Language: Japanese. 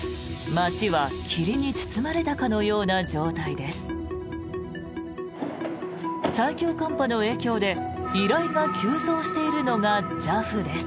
街は霧に包まれたかのような状態です。